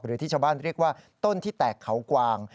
หรือที่ชาวบ้านเรียกว่าต้นที่แตกเขากวาง